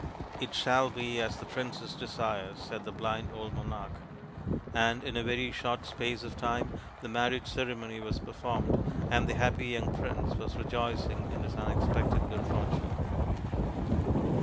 " It shall be as the princess desires," said the blind old monarch ; and in a very short space of time the marriage ceremony was performed, and the happy young prince was rejoicing in his unexpected good fortune.